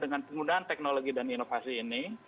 kemudian teknologi dan inovasi ini